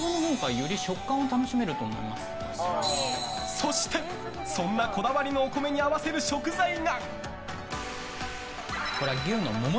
そして、そんなこだわりのお米に合わせる食材が。